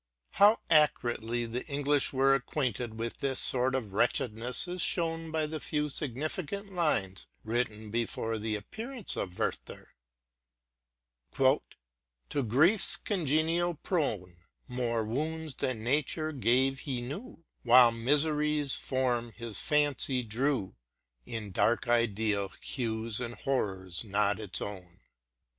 How accurately the English were acquainted with this sort of wretchedness is shown by the few significant lines, written before the ap pearance of '* Werther :''— "To griefs congenial prone, More wounds than nature gave he knew; While misery's form his faney drew In dark ideal hues and horrors not its own.